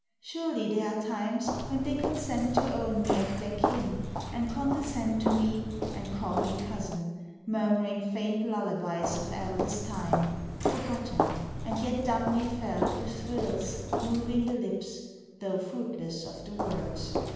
Surely there are times When they consent to own me of their kin, And condescend to me, and call me cousin, Murmuring faint lullabies of eldest time, Forgotten, and yet dumbly felt with thrills Moving the lips, though fruitless of the words.